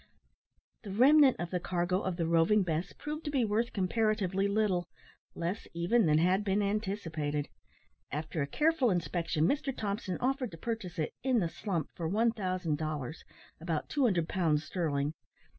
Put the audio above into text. The remnant of the cargo of the Roving Bess proved to be worth comparatively little less even than had been anticipated. After a careful inspection, Mr Thompson offered to purchase it "in the slump" for 1000 dollars about 200 pounds sterling.